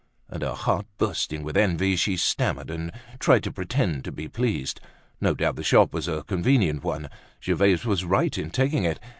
And her heart bursting with envy, she stammered, and tried to pretend to be pleased: no doubt the shop was a convenient one—Gervaise was right in taking it.